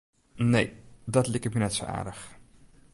Nee, dat liket my net sa aardich.